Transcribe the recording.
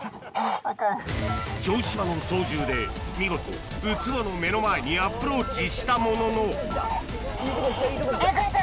城島の操縦で見事ウツボの目の前にアプローチしたもののいいところ来た。